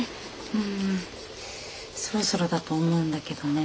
うんそろそろだと思うんだけどね。